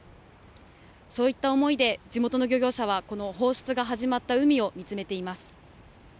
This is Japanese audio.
そういった思いで地元の漁業者はこの放出が始まった海を見つめています。